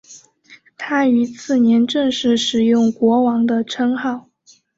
他于次年正式使用国王的称号。